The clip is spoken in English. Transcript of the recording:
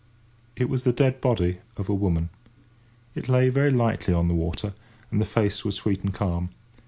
It was the dead body of a woman. It lay very lightly on the water, and the face was sweet and calm.